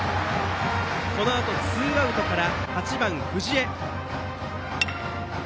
このあとツーアウトから８番、藤江。